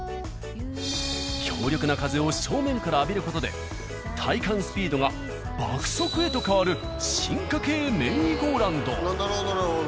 強力な風を正面から浴びる事で体感スピードが爆速へと変わる進化系メリーゴーランド。